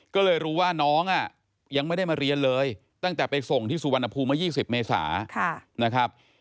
ก็เลยรู้ว่าน้องยังไม่ได้มาเรียนเลยตั้งแต่ไปส่งที่สุวรรณภูมิเมื่อ๒๐เมษานะครับ